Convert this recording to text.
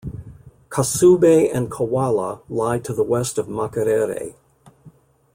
Kasubi and Kawaala lie to the west of Makerere.